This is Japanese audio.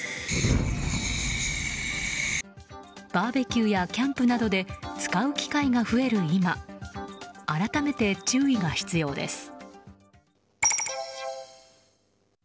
バーベキューやキャンプなどで使う機会が増える今改めて注意が必要です。